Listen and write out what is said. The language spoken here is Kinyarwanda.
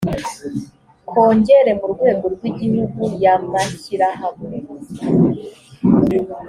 kongere mu rwego rw igihugu ya mashyirahamwe